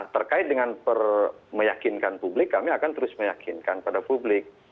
terkait dengan meyakinkan publik kami akan terus meyakinkan pada publik